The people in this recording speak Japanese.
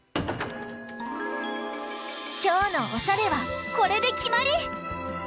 きょうのおしゃれはこれできまり！